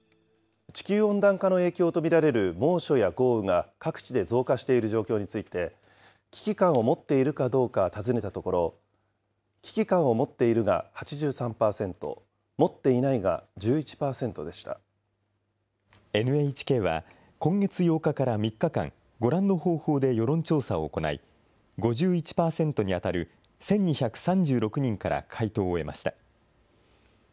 地球温暖化の影響と見られる猛暑や豪雨が各地で増加している状況について、危機感を持っているかどうか尋ねたところ、危機感を持っているが８３％、ＮＨＫは、今月８日から３日間、ご覧の方法で世論調査を行い、５１％に当たる１２３６人から回答を得ました。